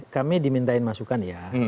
kami diminta masukan ya